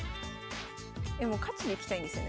もう勝ちにいきたいんですよね